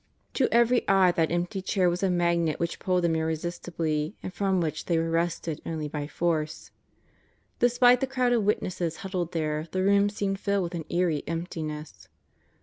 To every eye that empty chair was a magnet which pulled them irresistibly and from which they were wrested only by force. Despite the crowd of witnesses huddled there the room seemed filled with an eerie emptiness.